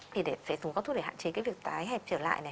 thì phải dùng các thuốc để hạn chế cái việc tái hẹp trở lại